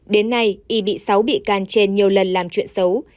đến nay y bị sáu bị can trên nhiều lần làm chuyện xấu